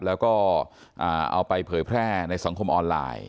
แล้วก็เอาไปเผยแพร่ในสังคมออนไลน์